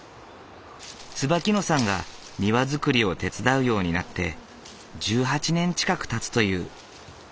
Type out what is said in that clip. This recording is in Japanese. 椿野さんが庭造りを手伝うようになって１８年近くたつという。